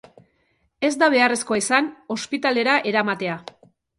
Ez da beharrezkoa izan ospitalera eramatea.